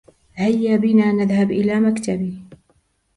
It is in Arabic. هيا بنا نذهب إلى مكتبي.